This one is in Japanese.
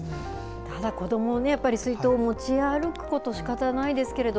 ただ、子ども水筒持ち歩くことしかたないですけど